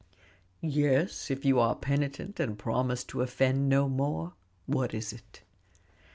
"Yes, if you are penitent, and promise to offend no more. What is it?"